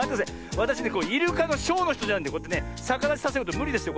わたしねイルカのショーのひとじゃないんでさかだちさせることむりですよ